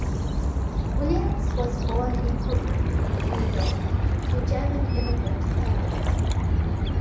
Williams was born in Brooklyn, New York to German immigrant parents.